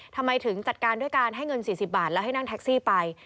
ทำไมถึงจัดการด้วยการให้เงิน๔๐บาทแล้วให้นั่งแท็กซี่ไป